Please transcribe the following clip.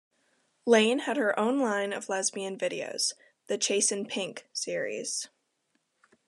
Lain had her own line of lesbian videos, the "Chasin' Pink" series.